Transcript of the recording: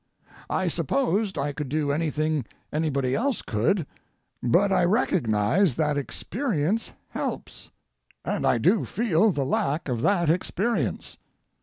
I supposed I could do anything anybody else could, but I recognize that experience helps, and I do feel the lack of that experience.